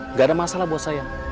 nggak ada masalah buat saya